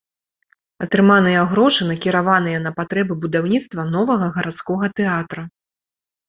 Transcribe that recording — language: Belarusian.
Атрыманыя грошы накіраваныя на патрэбы будаўніцтва новага гарадскога тэатра.